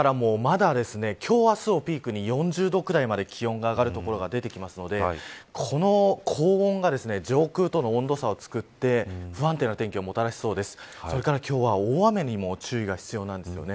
今日からも今日、あすをピークに４０度ぐらいまで気温が上がる所が出てくるのでこの高温が上空との温度差を作って不安定な天気をもたらしそうです。